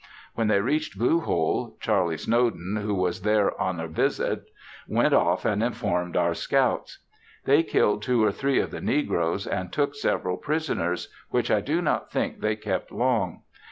When they reached Blue Hole, Charlie Snowden, who was there on a visit, went off and informed our scouts. They killed two or three of the negroes, and took several prisoners, which I do not think they kept long.